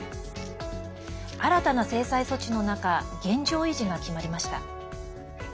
新たな制裁措置の中現状維持が決まりました。